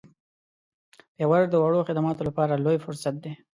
فیور د وړو خدماتو لپاره لوی فرصت دی.